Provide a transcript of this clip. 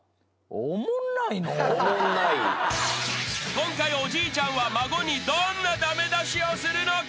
［今回おじいちゃんは孫にどんな駄目出しをするのか？］